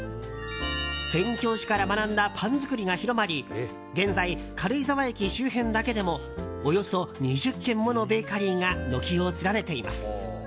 宣教師から学んだパン作りが広まり現在、軽井沢駅周辺だけでもおよそ２０軒ものベーカリーが軒を連ねています。